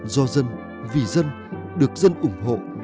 do dân vì dân được dân ủng hộ